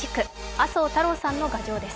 麻生太郎さんの牙城です。